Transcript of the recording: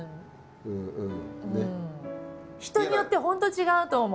人によって本当違うと思う。